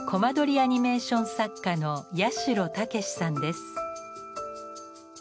アニメーション作家の八代健志さんです。